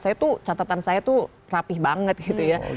saya tuh catatan saya tuh rapih banget gitu ya